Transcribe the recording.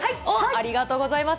ありがとうございます。